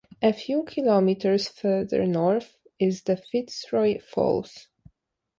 A few kilometers further north is the Fitzroy Falls.